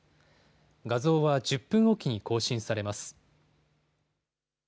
画像は１０分おきに更新されます。